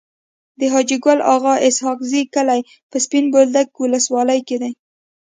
د حاجي ګل اغا اسحق زي کلی په سپين بولدک ولسوالی کي دی.